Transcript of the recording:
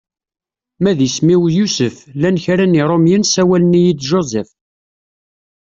Ma d isem-iw Yusef llan kra n Yirumyen sawalen-iyi-d Joseph.